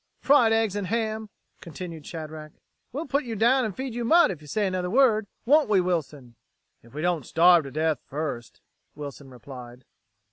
"Fried eggs and ham," continued Shadrack. "We'll put you down and feed you mud, if you say another word. Won't we, Wilson!" "If we don't starve to death first," Wilson replied.